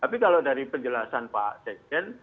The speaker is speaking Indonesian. tapi kalau dari penjelasan pak sekjen